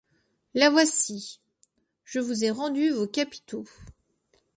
La voici :« Je vous ai rendu vos capitaux.